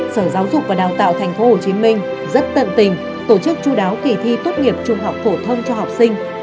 sở giáo dục và đào tạo thành phố hồ chí minh rất tận tình tổ chức chú đáo kỳ thi tốt nghiệp trung học phổ thông cho học sinh